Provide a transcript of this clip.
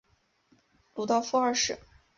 鲁道夫二世。